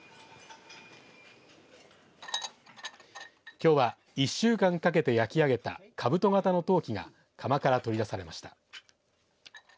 きょうは１週間かけて焼き上げたかぶと型の陶器が窯から取り出されました。